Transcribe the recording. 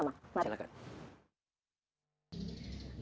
kita juga bisa mengatakan